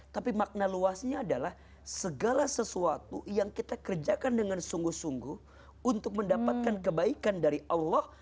tapi makna luasnya adalah segala sesuatu yang kita kerjakan dengan sungguh sungguh untuk mendapatkan kebaikan dari allah